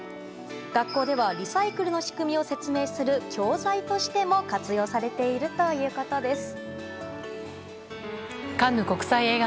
学校ではリサイクルの仕組みを説明する教材としても活用されているということです。